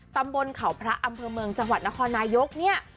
ตำบลเขาพระอำเภอเมืองจังหวัดนครนายกเนี่ย